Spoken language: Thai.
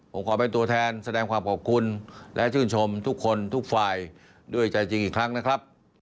ผมขอเป็นตัวแทนแสดงความขอบคุณและชื่นชมทุกคนทุกฝ่ายด้วยใจจริงอีกครั้งนะครับ